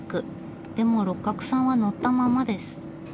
でも六角さんは乗ったままです。